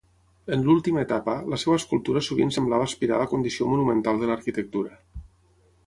En l'última etapa, la seva escultura sovint semblava aspirar a la condició monumental de l'arquitectura.